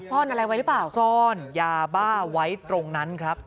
ซ่อนอะไรไว้หรือเปล่าซ่อนยาบ้าไว้ตรงนั้นครับ